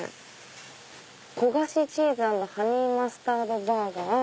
「焦がしチーズ＆ハニーマスタードバーガー」。